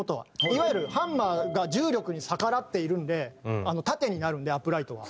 いわゆるハンマーが重力に逆らっているんで縦になるんでアップライトは。